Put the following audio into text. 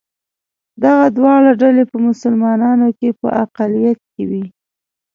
دغه دواړه ډلې په مسلمانانو کې په اقلیت کې وې.